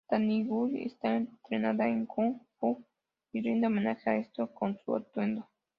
Taniguchi está entrenada en kung fu y rinde homenaje a esto con su atuendo.